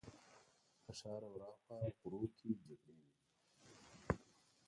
له ښاره ورهاخوا غرو کې جګړې وې.